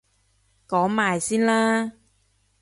講埋先啦！